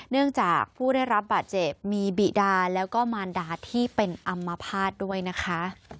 เนื่องจากผู้ได้รับบาดเจ็บมีบิดาแล้วก็มารดาที่เป็นอำมภาษณ์ด้วยนะคะ